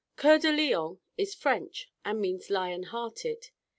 Coeur de Lion is French and means lion hearted.